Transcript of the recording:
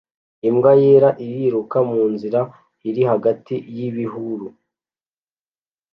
Imbwa yera iriruka munzira iri hagati y'ibihuru